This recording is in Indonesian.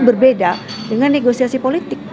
berbeda dengan negosiasi politik